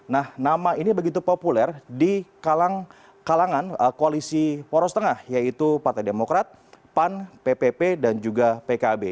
nah nama ini begitu populer di kalangan koalisi poros tengah yaitu partai demokrat pan ppp dan juga pkb